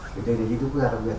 thì đây là dịch vụ ra đặc biệt